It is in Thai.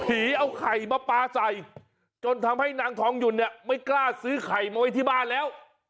เอาไข่มาปลาใส่จนทำให้นางทองหยุ่นเนี่ยไม่กล้าซื้อไข่มาไว้ที่บ้านแล้ว